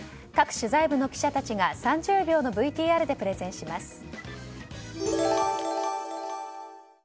各取材部の記者たちが３０秒のＶＴＲでプレゼンします。